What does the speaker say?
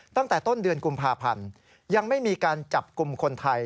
ตั้งแต่ต้นเดือนกุมภาพันธ์ยังไม่มีการจับกลุ่มคนไทย